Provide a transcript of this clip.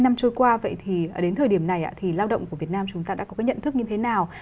bốn mươi năm trôi qua vậy thì đến thời điểm này thì lao động của việt nam chúng ta đã có cái nhận thức như thế nào